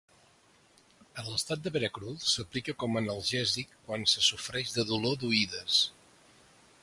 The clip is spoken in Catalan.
En l'estat de Veracruz s'aplica com a analgèsic quan se sofreix de dolor d'oïdes.